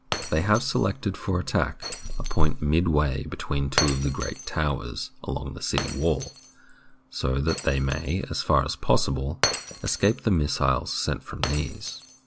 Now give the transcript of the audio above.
They have selected for attack a point midway between two of the great towers along the city wall, so that they may, as far as possible, escape the missiles sent from these.